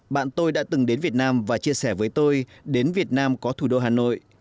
bạn tôi đã từng đến việt nam và chia sẻ với tôi đến việt nam có thủ đô hà nội